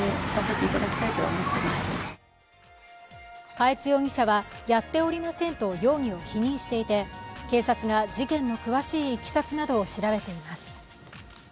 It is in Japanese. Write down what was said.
嘉悦容疑者は、やっておりませんと容疑を否認していて警察が事件の詳しいいきさつなどを調べています。